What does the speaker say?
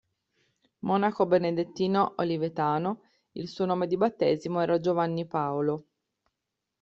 Monaco benedettino olivetano, il suo nome di battesimo era Giovanni Paolo.